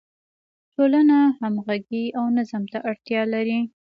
ټولنه همغږي او نظم ته اړتیا لري.